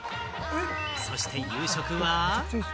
そして夕食は。